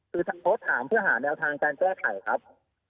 คือโพสต์ถามเพื่อหาแนวทางการแก้ไขครับ